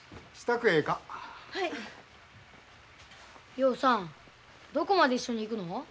陽さんどこまで一緒に行くの？